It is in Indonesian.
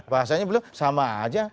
bahasanya belum sama aja